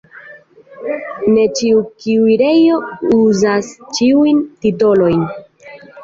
Ne ĉiu kuirejo uzas ĉiujn titolojn.